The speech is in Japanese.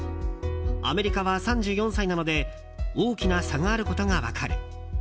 アメリカは３４歳なので大きな差があることが分かる。